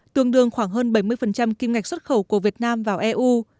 tương đương khoảng hơn bảy mươi kim ngạch xuất khẩu của việt nam vào eu